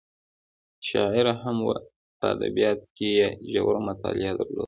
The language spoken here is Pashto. شاعره هم وه په ادبیاتو کې یې ژوره مطالعه درلوده.